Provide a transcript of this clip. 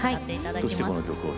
どうしてこの曲を？